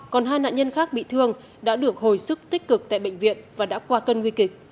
còn hai nạn nhân khác bị thương đã được hồi sức tích cực tại bệnh viện và đã qua cân nguy kịch